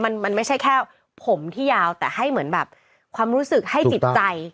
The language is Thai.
มันมันไม่ใช่แค่ผมที่ยาวแต่ให้เหมือนแบบความรู้สึกให้จิตใจ